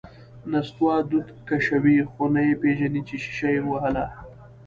نستوه دود کشوي، خو نه یې پېژني چې شیشه یې ووهله…